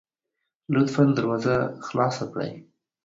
لطفا دروازه خلاصه کړئ